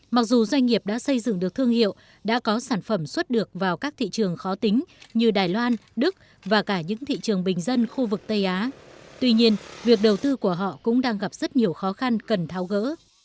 mặc dù doanh nghiệp đã xây dựng được thương hiệu đã có sản phẩm xuất được vào các thị trường khó tính như đài loan đức và cả những thị trường bình dân khu vực tây á tuy nhiên việc đầu tư của họ cũng đang gặp rất nhiều khó khăn cần tháo gỡ